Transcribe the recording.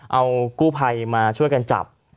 เอากู้ภัยมาช่วยกันจับ